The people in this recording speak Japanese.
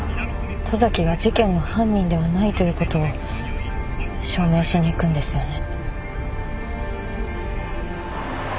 十崎が事件の犯人ではないということを証明しに行くんですよね。